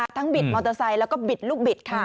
ทั้งบิดมอเตอร์ไซด์แล้วก็บิดลูกบิด